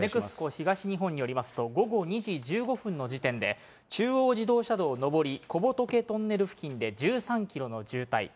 ＮＥＸＣＯ東日本によりますと、午後２時１５分の時点で、中央自動車道上り小仏トンネル付近で１３キロの渋滞。